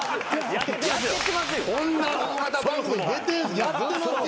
こんな大型番組出てやってますよ。